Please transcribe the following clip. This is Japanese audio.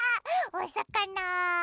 おさかな！